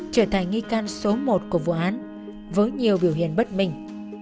trở thành nghi can số một của vụ án với nhiều biểu hiện bất minh